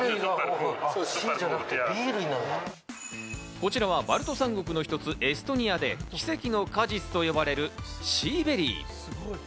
こちらはバルト三国の一つ、エストニアで奇跡の果実と呼ばれるシーベリー。